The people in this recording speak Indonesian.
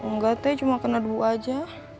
nggak teh cuma kena dua aja